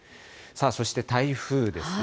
そして台風ですね。